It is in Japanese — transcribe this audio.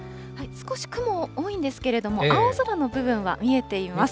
少し雲多いんですけれども、青空の部分は見えています。